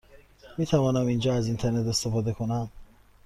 می توانم اینجا از اینترنت استفاده کنم؟